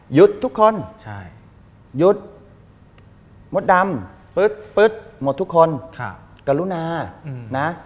หยุดทุกคนหยุดมดดำหมดทุกคนกรุณานะ